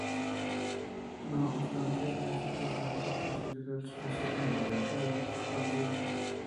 No obstante, este torneo se considera el sucesor inmediato de la Copa Río.